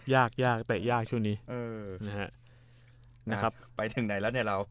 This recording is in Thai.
ยากแต่ยากช่วงนี้ไปถึงไหนแล้วเนี่ยเรา